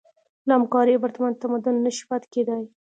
له همکارۍ پرته تمدن نهشي پاتې کېدی.